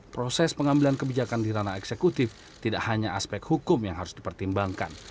proses pengambilan kebijakan di ranah eksekutif tidak hanya aspek hukum yang harus dipertimbangkan